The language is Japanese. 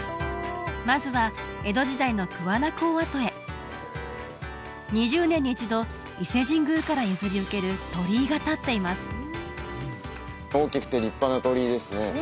まずは江戸時代の桑名港跡へ２０年に一度伊勢神宮から譲り受ける鳥居が立っています大きくて立派な鳥居ですね